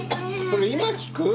それ今聞く？